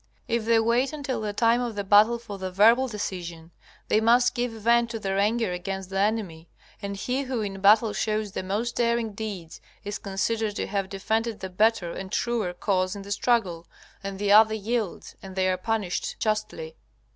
If they wait until the time of the battle for the verbal decision, they must give vent to their anger against the enemy, and he who in battle shows the most daring deeds is considered to have defended the better and truer cause in the struggle, and the other yields, and they are punished justly.